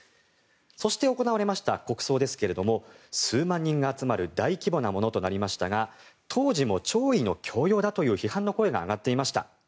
そして、行われました国葬ですが数万人が集まる大規模なものとなりましたが当時も弔意の強要だという批判の声が上がっていました。